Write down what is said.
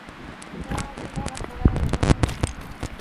No hallan nada fuera de lo normal.